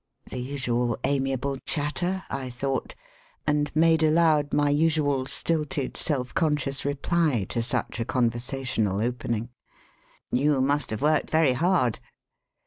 '* ^^The usual amiable chatter," I thought, and made aloud my usual, stilted, self conscious re ply to such a conversational opening: "You must have worked very hard.'